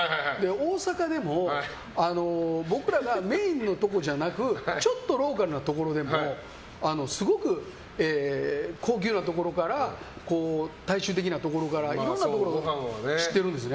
大阪でも僕らがメインのところじゃなくちょっとローカルなところでもすごく高級なところから大衆的なところからいろんなところを知ってるんです。